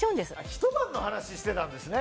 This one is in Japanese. ひと晩の話してたんですね。